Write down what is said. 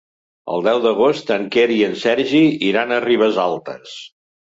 El deu d'agost en Quer i en Sergi iran a Ribesalbes.